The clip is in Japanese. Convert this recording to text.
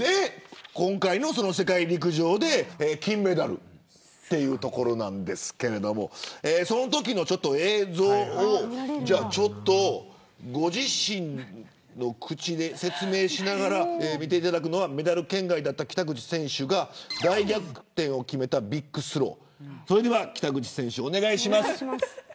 今回の世界陸上で金メダルというところなんですけどそのときの映像をご自身の口で説明しながら見ていただくのはメダル圏外だった北口選手が大逆転を決めたビッグスロー。